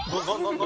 何？